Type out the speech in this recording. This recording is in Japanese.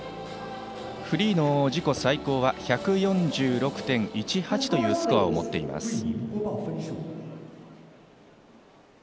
フリーの自己最高は１４６．１８というスコアを持っています。